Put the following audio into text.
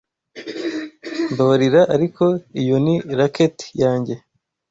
Mbabarira, ariko iyo ni racket yanjye.